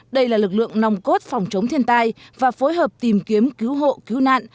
đây là lực lượng nòng cốt phòng chống thiên tai và phối hợp tìm kiếm cứu hộ cứu nạn